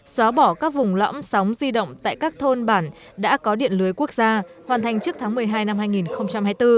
xóa bỏ các vùng lõm sóng di động tại các thôn bản đã có điện lưới quốc gia hoàn thành trước tháng một mươi hai năm hai nghìn hai mươi bốn